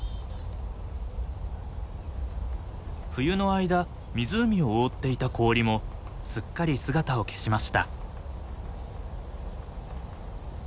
冬の間湖を覆っていた氷もすっかり姿を消しました。